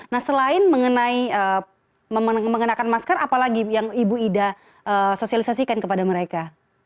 nah selain mengenai mengenakan masker apalagi yang ibu ida sosialisasikan kepada mereka